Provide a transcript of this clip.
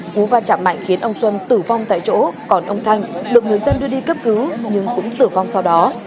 cú va chạm mạnh khiến ông xuân tử vong tại chỗ còn ông thanh được người dân đưa đi cấp cứu nhưng cũng tử vong sau đó